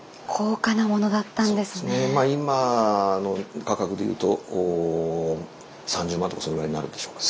今の価格でいうと３０万とかそのぐらいになるんでしょうかね。